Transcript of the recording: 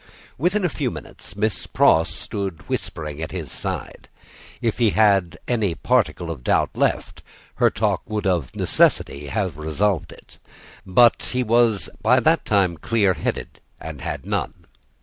Within a few minutes, Miss Pross stood whispering at his side. If he had had any particle of doubt left, her talk would of necessity have resolved it; but he was by that time clear headed, and had none.